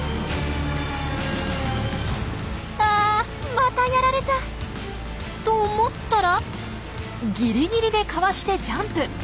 あまたやられた！と思ったらギリギリでかわしてジャンプ！